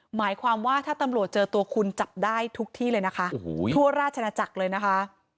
หมายความว่าถ้าตำรวจเจอตัวคุณจับได้ทุกที่เลยนะคะทั่วราชนาจักรเลยนะคะ